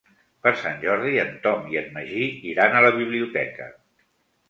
Per Sant Jordi en Tom i en Magí iran a la biblioteca.